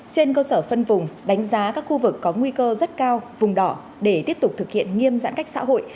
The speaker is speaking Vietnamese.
trên cơ sở phân vùng đánh giá các khu vực có nguy cơ rất cao vùng đỏ để tiếp tục thực hiện nghiêm giãn cách xã hội